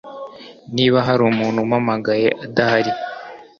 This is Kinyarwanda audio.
Niba hari umuntu umpamagaye adahari